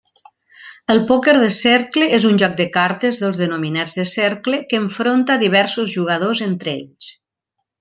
El pòquer de cercle és un joc de cartes dels denominats de cercle que enfronta diversos jugadors entre ells.